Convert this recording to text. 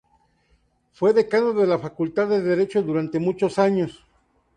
Fue decano de la Facultad de Derecho durante muchos años.